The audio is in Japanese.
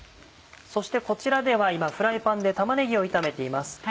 そしてこちらでは今フライパンで玉ねぎを炒めています。